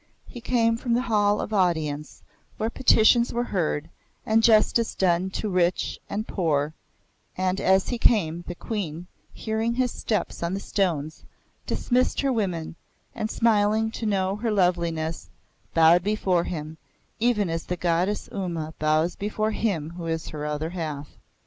He came from the Hall of Audience where petitions were heard, and justice done to rich and poor; and as he came, the Queen, hearing his step on the stone, dismissed her women, and smiling to know her loveliness, bowed before him, even as the Goddess Uma bows before Him who is her other half.